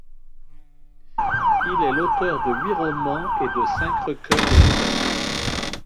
Il est l'auteur de huit romans et de cinq recueils de nouvelles.